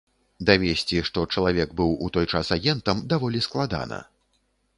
Давесці, што чалавек быў у той час агентам, даволі складана.